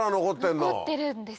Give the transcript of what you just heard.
残ってるんです。